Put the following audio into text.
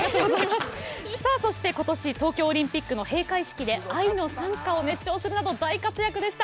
今年東京オリンピックの閉会式で「愛の讃歌」を熱唱するなど大活躍でした。